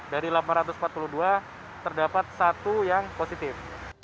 dari delapan ratus empat puluh dua terdapat satu yang positif